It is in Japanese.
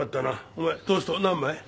お前トースト何枚？